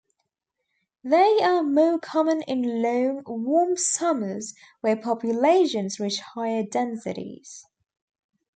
They are more common in long, warm summers where populations reach higher densities.